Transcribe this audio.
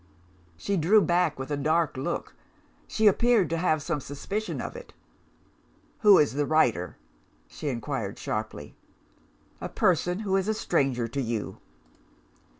"She drew back with a dark look; she appeared to have some suspicion of it. 'Who is the writer?' she inquired sharply. "'A person who is a stranger to you.